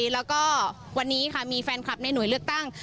แล้วก็วันนี้ค่ะมีแฟนคลับในหน่วยเลือกตั้ง